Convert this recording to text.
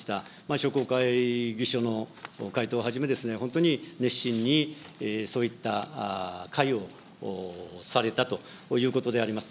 商工会議所の会頭をはじめ、本当に熱心にそういった会をされたということであります。